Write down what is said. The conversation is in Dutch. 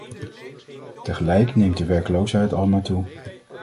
Tegelijk neemt de werkloosheid almaar toe.